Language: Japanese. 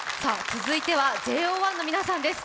続いてはＪＯ１の皆さんです。